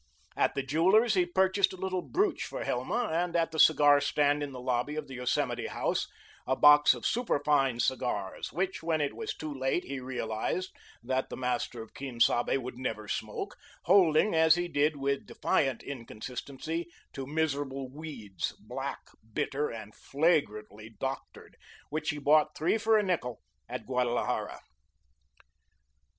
At the jeweller's, he purchased a little brooch for Hilma and at the cigar stand in the lobby of the Yosemite House, a box of superfine cigars, which, when it was too late, he realised that the master of Quien Sabe would never smoke, holding, as he did, with defiant inconsistency, to miserable weeds, black, bitter, and flagrantly doctored, which he bought, three for a nickel, at Guadalajara.